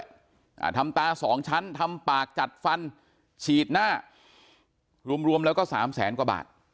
อ่าทำตาสองชั้นทำปากจัดฟันฉีดหน้ารวมรวมแล้วก็สามแสนกว่าบาท